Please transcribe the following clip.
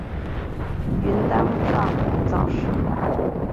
允丹藏卜早逝无后。